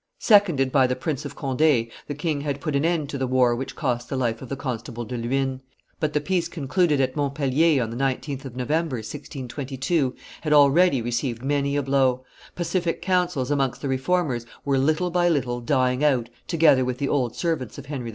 Seconded by the Prince of Conde, the king had put an end to the war which cost the life of the constable De Luynes, but the peace concluded at Montpellier on the 19th of November, 1622, had already received many a blow; pacific counsels amongst the Reformers were little by little dying out together with the old servants of Henry IV.